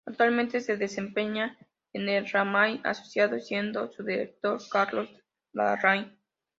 Actualmente se desempeña en el Larraín y asociado, siendo su director Carlos Larraín.